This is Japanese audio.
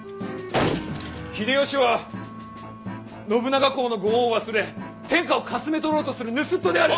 秀吉は信長公のご恩を忘れ天下をかすめ取ろうとする盗人である！